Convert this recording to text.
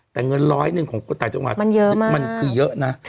แต่เงินร้อยหนึ่งของต่างจังหวัดมันคือเยอะนะ